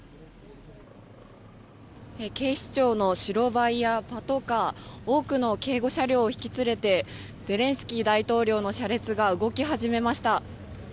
警視庁の白バイやパトカー多くの警護車両を引き連れてゼレンスキー大統領の車列が動き始めました。